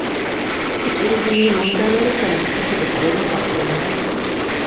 セキュリティに問題あるから削除されるのはしょうがない